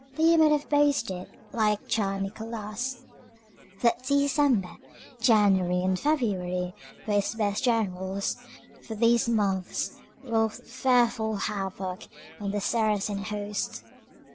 Leo might have boasted, like Czar Nicholas, that December, January, and February were his best generals—for these months wrought fearful havoc in the Saracen host.